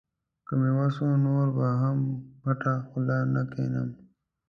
که مې وس و، نور به هم پټه خوله نه کښېنم.